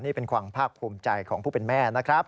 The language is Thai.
นี่เป็นความภาคภูมิใจของผู้เป็นแม่นะครับ